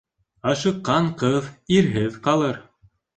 Ашыҡҡан ҡыҙ ирһеҙ ҡалыр.